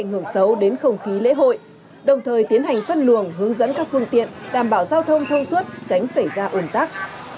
hướng dẫn không khí lễ hội đồng thời tiến hành phân luồng hướng dẫn các phương tiện đảm bảo giao thông thâu suốt tránh xảy ra ồn tắc